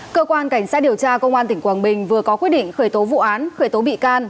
cơ quan cảnh sát điều tra công an tỉnh quảng bình vừa có quyết định khởi tố vụ án khởi tố bị can